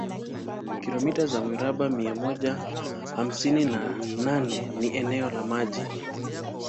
Kilomita za mraba mia moja hamsini na nane ni eneo la maji